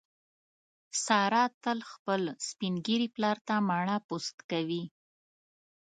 ساره تل خپل سپین ږیري پلار ته مڼه پوست کوي.